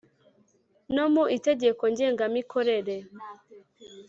no mu Itegeko ngengamikorere